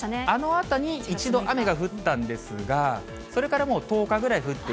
あのあとに１度雨が降ったんですが、それからもう１０日ぐら